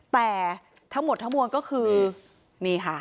แต่ทั้งหมดทั้งมวลก็คือนี่ค่ะ